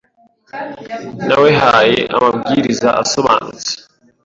Nawehaye amabwiriza asobanutse.